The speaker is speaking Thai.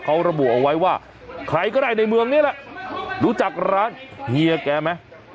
เขาระบุเอาไว้ว่าใครก็ได้ในเมืองนี้แหละรู้จักร้านเฮียแกไหม